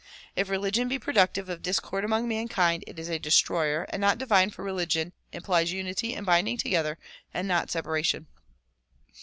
If religion be productive of discord among mankind it is a destroyer and not divine for religion implies unity and binding together and not separation.